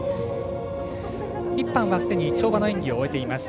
１班はすでに跳馬の演技を終えています。